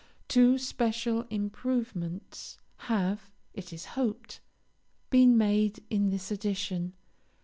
Two special improvements have, it is hoped, been made in this edition.